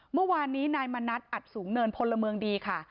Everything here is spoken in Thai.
เมื่อวานนี้นายมณัฐอัดสูงเนินพลเมืองดีค่ะ